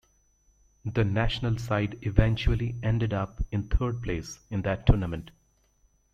The national side eventually ended up in third place in that tournament.